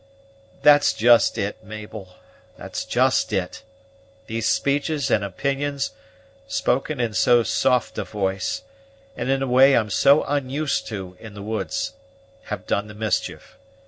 "That's just it, Mabel, that's just it. These speeches and opinions, spoken in so soft a voice, and in a way I'm so unused to in the woods, have done the mischief.